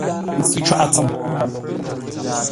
Ntsʉ cwáʼa tsəm mboŋ.